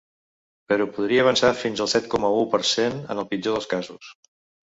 Però podria avançar fins al set coma u per cent en el pitjor dels casos.